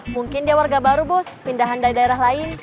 mungkin dia warga baru bos pindahan dari daerah lain